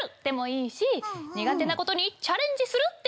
でもいいし苦手なことにチャレンジする！